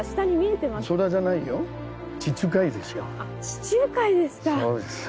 地中海ですか。